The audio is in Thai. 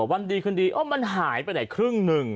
วันดีคืนดีมันหายไปไหนครึ่งหนึ่ง